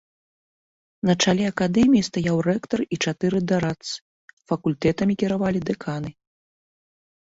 На чале акадэміі стаяў рэктар і чатыры дарадцы, факультэтамі кіравалі дэканы.